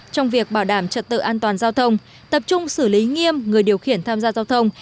trong việc bảo đảm trật tự an toàn giao thông tập trung xử lý nghiêm người điều khiển tham gia giao thông